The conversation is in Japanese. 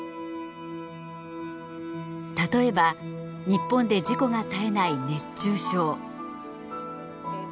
例えば日本で事故が絶えない熱中症。